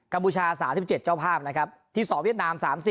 พูชา๓๗เจ้าภาพนะครับที่๒เวียดนาม๓๐